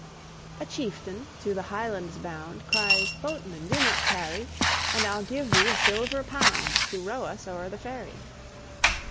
A chieftain, to the Highlands bound, Cries, "Boatman, do not tarry! And I'll give thee a silver pound, To row us o'er the ferry."